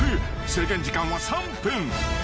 ［制限時間は３分］